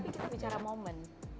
tapi kita bicara momen